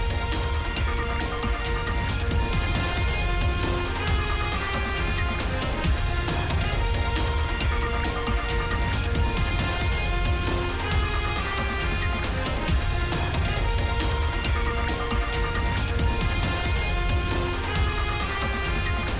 โปรดติดตามตอนต่อไป